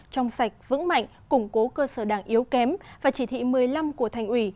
trong sạch vững mạnh củng cố cơ sở đảng yếu kém và chỉ thị một mươi năm của thành ủy